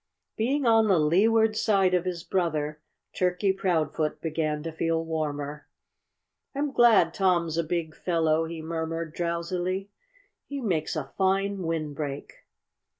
Being on the leeward side of his brother, Turkey Proudfoot began to feel warmer. "I'm glad Tom's a big fellow," he murmured drowsily. "He makes a fine windbreak."